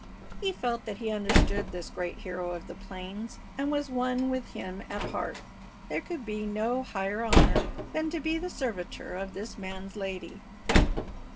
He felt that he understood this great hero of the plains and was one with him at heart. There could be no higher honor than to be the servitor of this man's lady.